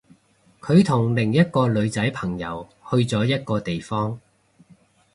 佢同另一個女仔朋友去咗一個地方